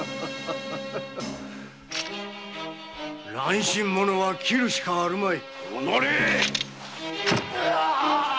乱心者は斬るしかあるまい。